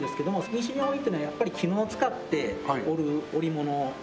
西陣織っていうのはやっぱり絹を使って織る織物であり。